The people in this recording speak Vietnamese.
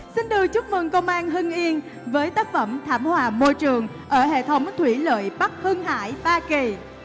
xin được chúc mừng công an hưng yên với tác phẩm thảm hòa môi trường ở hệ thống thủy lợi bắc hưng hải ba kỳ